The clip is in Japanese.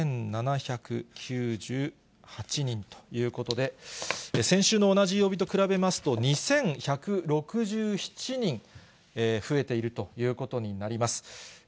１万９７９８人ということで、先週の同じ曜日と比べますと、２１６７人増えているということになります。